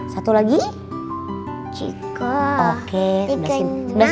sampai sekarang ethic